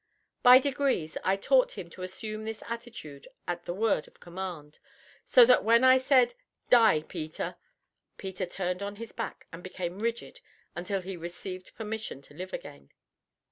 By degrees I taught him to assume this attitude at the word of command, so that when I said, "Die, Peter!" Peter turned on his back and became rigid until he received permission to live again.